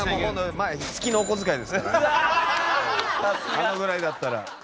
あのぐらいだったら。